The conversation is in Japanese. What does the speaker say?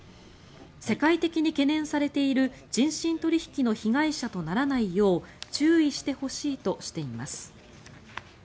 世界的に懸念されている人身取引の被害者とならないよう注意してほしいとしています。